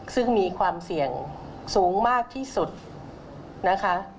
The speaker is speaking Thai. ซึ่งมีความเสี่ยงสูงมากที่สุดนะคะ